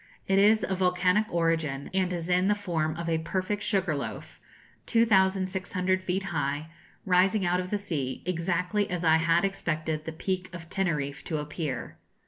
It is of volcanic origin, and is in the form of a perfect sugar loaf, 2,600 feet high, rising out of the sea, exactly as I had expected the Peak of Teneriffe to appear.